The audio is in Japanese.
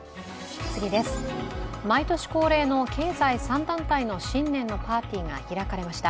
毎年恒例の経済３団体の新年のパーティーが開かれました。